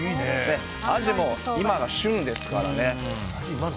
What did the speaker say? アジも今が旬ですからね。